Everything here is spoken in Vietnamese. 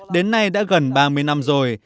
đến nay đã gần ba mươi năm rồi